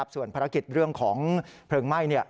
ส่วนภารกิจเรื่องของเพลิงไหม้